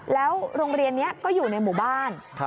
แล้วโรงเรียนนี้ก็อยู่ในหมู่บ้าน